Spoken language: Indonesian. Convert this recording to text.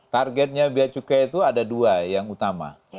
targetnya biaya cukai itu ada dua yang utama